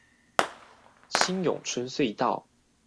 新永春隧道